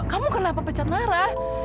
kamu kenapa pecat nara